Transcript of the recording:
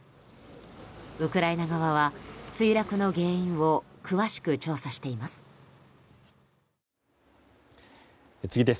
ウクライナ側は墜落の原因を詳しく調査しています。